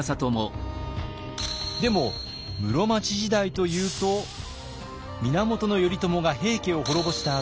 でも室町時代というと源頼朝が平家を滅ぼした